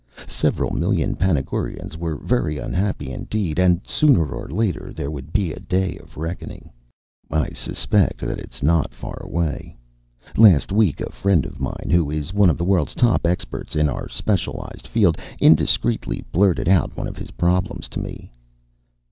Several million Panagurans were very unhappy in deed, and sooner or later there would be a day of reckoning. I suspect that it's not far away. Last week a friend of mine, who is one of the world's top experts in our specialized field, indiscreet ly blurted out one of his problems to me.